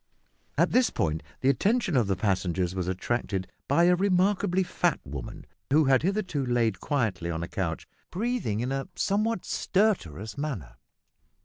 At this point the attention of the passengers was attracted by a remarkably fat woman, who had hitherto lain quietly on a couch breathing in a somewhat stertorous manner.